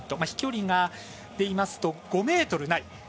飛距離でいいますと５ｍない。